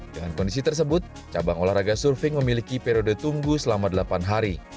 dengan kondisi tersebut cabang olahraga surfing memiliki periode tunggu selama delapan hari